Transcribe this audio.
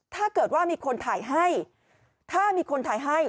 ถ้าเกิดว่ามีคนถ่ายให้ถ้ามีคนถ่ายให้